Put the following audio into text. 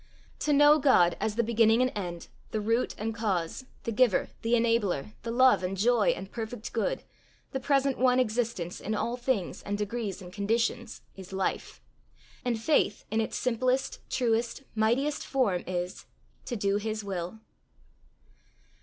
To know God as the beginning and end, the root and cause, the giver, the enabler, the love and joy and perfect good, the present one existence in all things and degrees and conditions, is life; and faith, in its simplest, truest, mightiest form is to do his will.